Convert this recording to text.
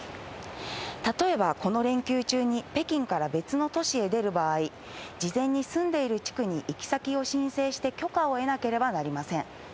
例えば、この連休中に北京から別の都市へ出る場合、事前に住んでいる地区に行き先を申請して許可を得なければなりません。